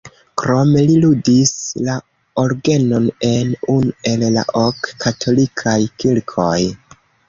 Krome li ludis la orgenon en unu el la ok katolikaj kirkoj.